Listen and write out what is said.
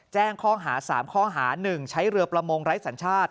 แจ้งข้อหา๓ข้อหา๑ใช้เรือประมงไร้สัญชาติ